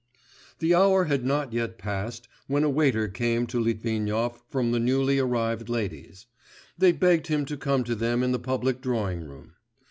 The hour had not yet passed when a waiter came to Litvinov from the newly arrived ladies; they begged him to come to them in the public drawing room.